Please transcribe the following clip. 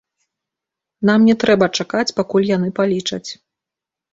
Нам не трэба чакаць, пакуль яны палічаць.